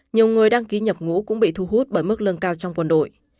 nhiều người đăng ký nhập ngũ cũng bị thu hút bởi mức lương cao trong quân đội